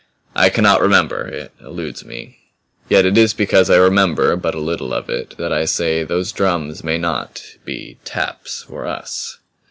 "I cannot remember; it eludes me. Yet it is because I remember but a little of it that I say those drums may not be taps for us."